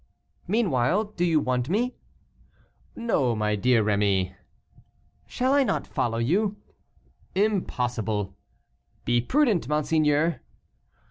"Meanwhile, do you want me?" "No, my dear Rémy." "Shall I not follow you?" "Impossible." "Be prudent, monseigneur."